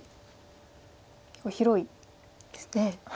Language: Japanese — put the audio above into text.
結構広いですね。